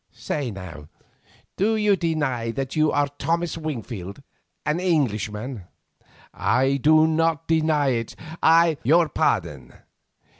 Say now, do you deny that you are Thomas Wingfield and an Englishman?" "I do not deny it. I—" "Your pardon.